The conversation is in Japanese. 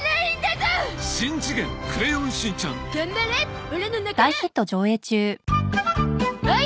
頑張れオラの仲間！